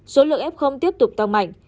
số lượng f tiếp tục tăng mạnh